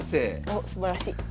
おっすばらしい。